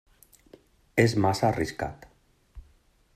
És massa arriscat.